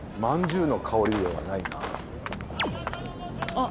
あっ。